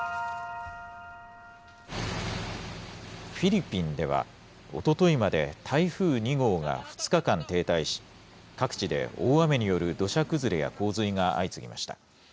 フィリピンでは、おとといまで台風２号が２日間停滞し、各地で大雨による土砂崩れや洪水が相次ぎました。